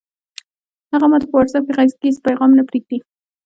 هغه ماته په وټس اپ کې غږیز پیغام نه پرېږدي!